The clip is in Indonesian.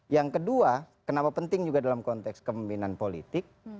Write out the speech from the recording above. yang kedua kenapa penting juga dalam konteks kemimpinan politik